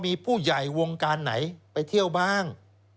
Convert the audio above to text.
มีผู้ใหญ่วงการไหนไปเที่ยวบ้าง